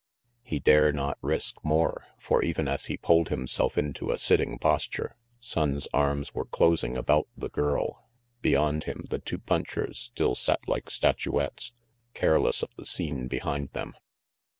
He dare not risk more, for even as he pulled himself into a sitting posture, Sonnes' arms were closing about the girl. Beyond him, the two punchers still sat like statuettes, careless of the scene behind them.